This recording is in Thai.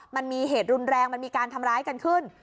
มันมีเหตุรุนแรงมันมีการทำร้ายกันขึ้น